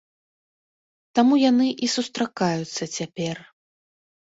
Таму яны і сустракаюцца цяпер.